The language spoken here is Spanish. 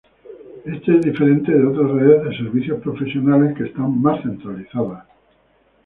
Esto es diferente de otras redes de servicios profesionales que están más centralizadas.